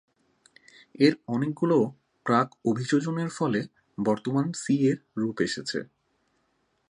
এর অনেকগুলো প্রাক-অভিযোজনের ফলে বর্তমান সি এর রূপ এসেছে।